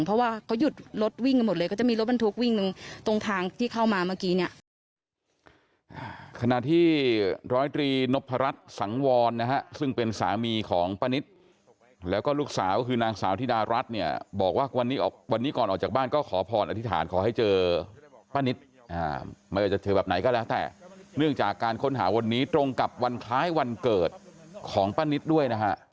เพราะว่าเขาหยุดรถวิ่งกันหมดเลยก็จะมีรถบรรทุกวิ่งหนึ่งตรงทางที่เข้ามาเมื่อกี้เนี่ย